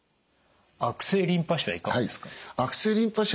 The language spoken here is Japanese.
悪性リンパ腫はいかがですか？